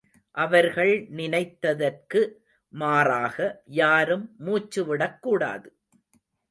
அவர்கள் நினைத்தற்கு மாறாக, யாரும் மூச்சுவிடக்கூடாது.